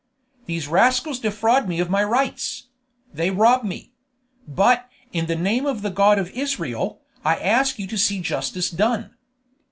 These rascals defraud me of my rights; they rob me; but, in the name of the God of Israel, I ask you to see justice done!"